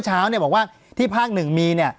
ปากกับภาคภูมิ